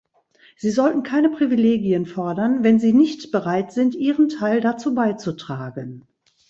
Sie sollten keine Privilegien fordern, wenn sie nicht bereit sind, ihr Teil dazu beizutragen.